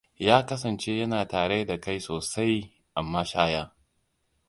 Ya kasance yana tare da kai sosai a mashaya.